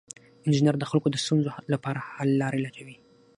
انجینر د خلکو د ستونزو لپاره حل لارې لټوي.